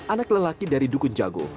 anak lelaki dari dukun jago